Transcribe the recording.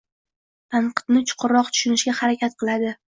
Tanqidni chuqurroq tushunishga harakat qiladi.